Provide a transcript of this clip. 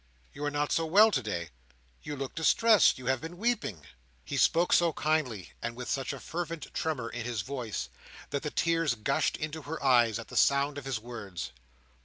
"You are not so well today. You look distressed. You have been weeping." He spoke so kindly, and with such a fervent tremor in his voice, that the tears gushed into her eyes at the sound of his words.